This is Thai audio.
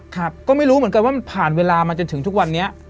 ครับก็ไม่รู้เหมือนกันว่ามันผ่านเวลามาจนถึงทุกวันนี้